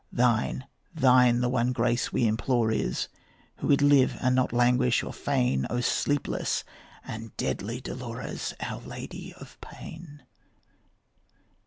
Thine, thine the one grace we implore is, Who would live and not languish or feign, O sleepless and deadly Dolores, Our Lady of Pain.